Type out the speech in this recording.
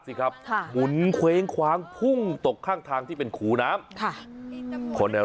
รถเนี่ยเกิดเหตุก่อนถึงวัดคลองเมืองจังหวัดพิศนุโลก